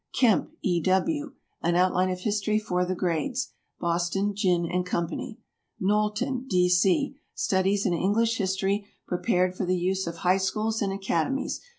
KEMP, E. W. "An Outline of History for the Grades." Boston, Ginn & Co. KNOWLTON, D. C. "Studies in English History Prepared for the Use of High Schools and Academies."